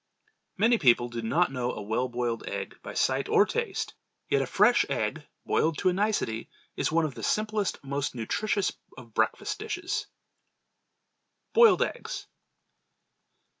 MANY people do not know a well boiled egg by sight or taste, yet a fresh egg, boiled to a nicety, is one of the simplest, most nutritious of breakfast dishes. Boiled Eggs.